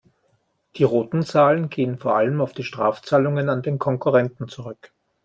Die roten Zahlen gehen vor allem auf die Strafzahlungen an den Konkurrenten zurück.